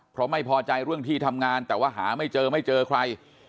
เพราะไม่พอใจเรื่องที่ทำงานแต่ว่าหาไม่เจอไม่เจอใคร